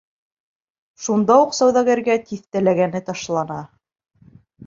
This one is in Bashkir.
Шунда уҡ сауҙагәргә тиҫтәләгәне ташлана.